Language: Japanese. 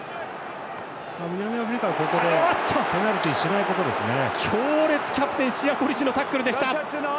南アフリカ、ここでペナルティしないことですね。